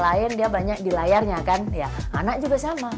karena dia banyak di layarnya kan anak juga sama